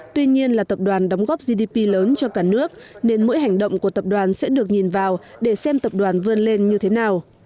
tuy nhiên là tập đoàn đóng góp gdp lớn cho cả nước nên mỗi hành động của tập đoàn sẽ được nhìn vào để xem tập đoàn vươn lên như thế nào